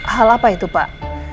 hal apa itu pak